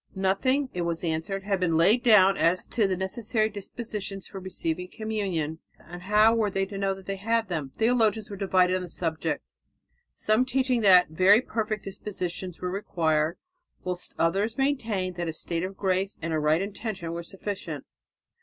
Nothing, it was answered, had been laid down as to the necessary dispositions for receiving communion; and how were they to know that they had them? Theologians were divided on the subject, some teaching that very perfect dispositions were required, whilst others maintained that a state of grace and a right intention were sufficient.